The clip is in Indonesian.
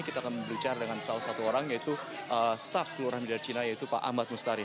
kita akan berbicara dengan salah satu orang yaitu staf kelurahan negara cina yaitu pak ahmad mustari